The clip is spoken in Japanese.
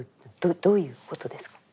どういうことですか？